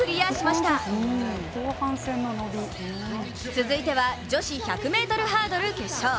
続いては女子１００ｍハードル決勝。